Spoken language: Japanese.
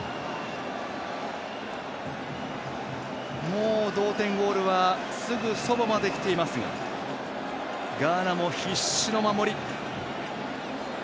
もう同点ゴールはすぐそばまできていますがガーナも必死の守り。